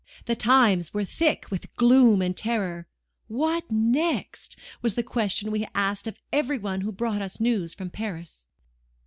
"The times were thick with gloom and terror. 'What next?' was the question we asked of every one who brought us news from Paris.